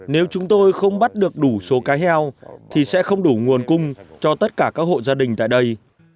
nếu chúng tôi không bắt được đủ số cá heo thì sẽ không đủ nguồn cung cho tất cả các hộ gia đình tại đây